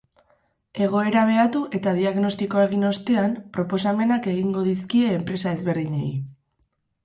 Egoera behatu eta diagnostikoa egin ostean, proposamenak egingo dizkie enpresa ezberdinei.